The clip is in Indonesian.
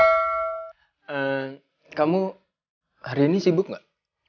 kamu hari ini sibuk gak